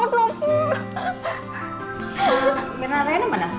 mirna rayana mana kok gak ada